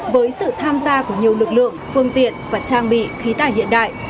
với sự tham gia của nhiều lực lượng phương tiện và trang bị khí tải hiện đại